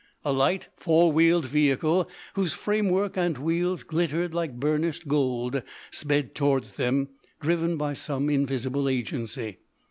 A light four wheeled vehicle, whose framework and wheels glittered like burnished gold, sped towards them, driven by some invisible agency.